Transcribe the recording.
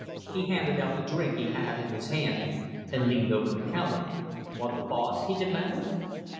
He handed out the drink he had in his hand, and leaned over the counter. "Want the boss?" he demanded.